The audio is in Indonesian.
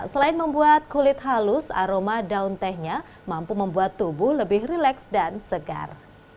selain membuat kulit halus aroma daun tehnya mampu membuat tubuh lebih rileks dan segar